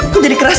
ku jadi keras